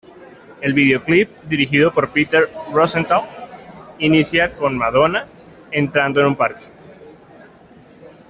El videoclip, dirigido por Peter Rosenthal, inicia con Madonna entrando en un parque.